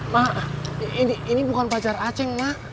ma ini bukan pacar aceng ma